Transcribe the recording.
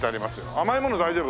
甘いもの大丈夫？